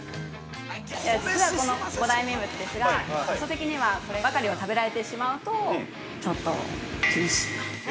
◆実は、この五大名物ですがコスト的にはこればかりを食べられてしまうとちょっと厳しい。